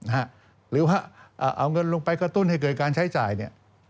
หรือว่าเอาเงินลงไปกระตุ้นให้เกิดการใช้จ่ายเนี่ย